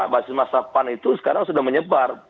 basis masa pan itu sekarang sudah berpengaruh kotil